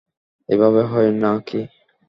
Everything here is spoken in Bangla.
এভাবে হয় না-কি?